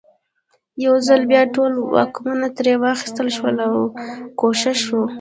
یو ځل بیا ټول واکونه ترې واخیستل شول او ګوښه شو.